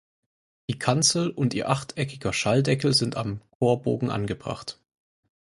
Die Kanzel und ihr achteckiger Schalldeckel sind am Chorbogen angebracht.